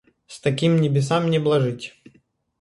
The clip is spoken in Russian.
С таким небесам не блажить.